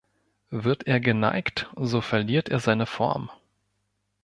Wird er geneigt, so verliert er seine Form.